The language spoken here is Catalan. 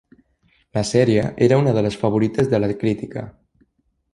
La sèrie era una de les favorites de la crítica.